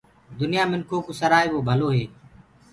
دنيآ منکُ ڪوُ سرآئي وو ڀلو هي۔